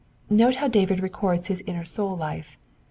Note how David records his inner soul life.